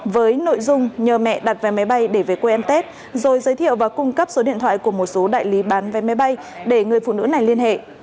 với nội dung nhờ mẹ đặt vé máy bay để về quê ăn tết rồi giới thiệu và cung cấp số điện thoại của một số đại lý bán vé máy bay để người phụ nữ này liên hệ